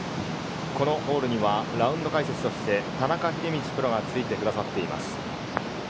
このホールにはラウンド解説として田中秀道プロがついてくださっています。